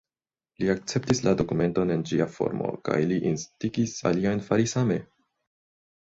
Li akceptis la dokumenton en ĝia formo, kaj li instigis aliajn fari same.